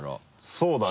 そうだね。